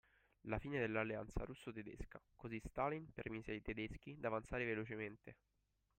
La fine dell'alleanza russo- tedesca così Stalin permise ai tedeschi d'avanzare velocemente